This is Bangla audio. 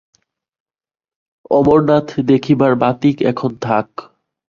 অমরনাথ দেখিবার বাতিক এখন থাক।